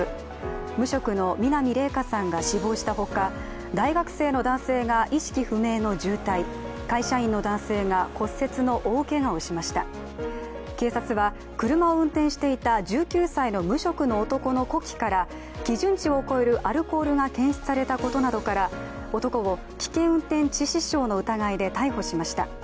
無職の南怜華さんが死亡したほか大学生の男性が意識不明の重体、警察は車を運転していた１９歳の無職の男の呼気から基準値を超えるアルコールが検出されたことなどから男を危険運転致死傷の疑いで逮捕しました。